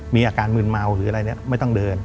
มีอาการมืนเมาหรืออะไรเนี่ยไม่ต้องเดิน